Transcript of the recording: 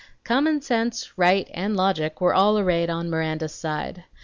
Common sense, right, and logic were all arrayed on Miranda's side.